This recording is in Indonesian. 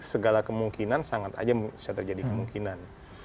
segala kemungkinan sangat aja bisa terjadi kemungkinan